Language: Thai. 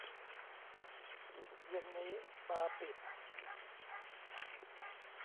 เย็นนี้บาร์ปิด